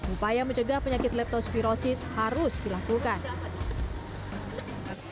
upaya mencegah penyakit leptospirosis harus dilakukan